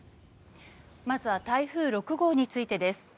まずは台風６号についてです。